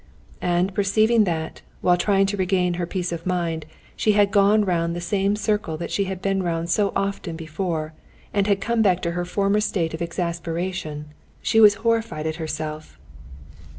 And perceiving that, while trying to regain her peace of mind, she had gone round the same circle that she had been round so often before, and had come back to her former state of exasperation, she was horrified at herself.